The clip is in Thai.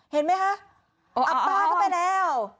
เห็นไหมคะอับปลาเข้าไปแล้ว